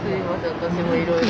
私もいろいろ。